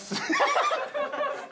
ハハハハハ！